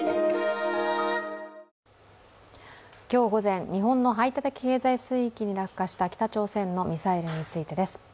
今日午前、日本の排他的経済水域に落下した北朝鮮のミサイルについてです。